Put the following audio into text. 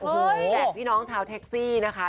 แดดพี่น้องชาวแท็กซี่นะคะ